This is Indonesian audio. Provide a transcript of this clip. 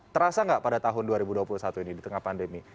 terasa nggak pada tahun dua ribu dua puluh satu ini di tengah pandemi